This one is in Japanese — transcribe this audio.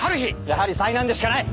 やはり災難でしかない！